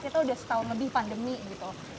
kita udah setahun lebih pandemi gitu